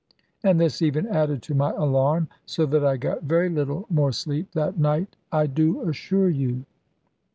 And this even added to my alarm, so that I got very little more sleep that night, I do assure you.